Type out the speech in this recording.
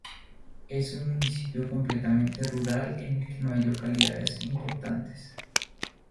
Es un municipio completamente rural en el que no hay localidades importantes.